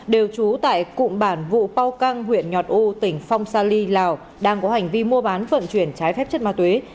đều trú tại cụm bản vụ po căng huyện nhọt u tỉnh phong sa ly lào đang có hành vi mua bán vận chuyển trái phép chất ma túy